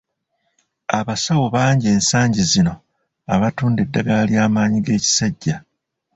Abasawo bangi ensangi zino abatunda eddagala ly'amaanyi g'ekisajja.